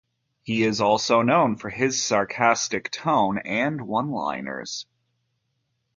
He is also known for his sarcastic tone and one-liners.